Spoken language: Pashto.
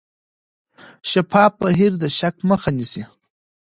شفاف بهیر د شک مخه نیسي.